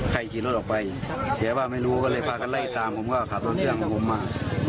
ใครขี่รถออกไปเสียบ้างไม่รู้ก็เลยพากันไล่ตามผมก็ขาดตัวเชื่อมของผมมา